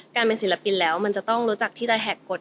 การเป็นศิลปินแล้วมันจะต้องรู้จักที่จะแหกกฎ